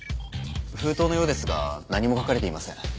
封筒のようですが何も書かれていません。